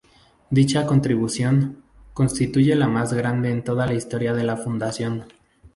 Dicha contribución, constituye la más grande en toda la historia de la Fundación.